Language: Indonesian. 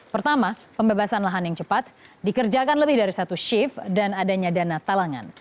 pertama pembebasan lahan yang cepat dikerjakan lebih dari satu shift dan adanya dana talangan